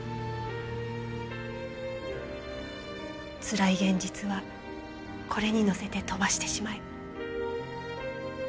つらい現実はこれに乗せて飛ばしてしまえ。